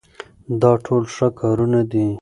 دا ټول ښه کارونه دي.